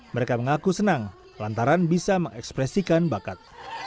mereka mengaku senang lantaran bisa mengekspresikan bakat